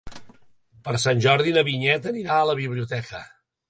Per Sant Jordi na Vinyet anirà a la biblioteca.